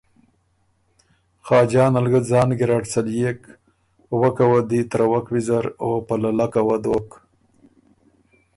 خاجان ال ګۀ ځان ګیرډ څليېک، وکه وه دی ترَوَک ویزر او په للکه وه دوک